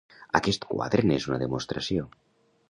Aquest quadre n'és una demostració.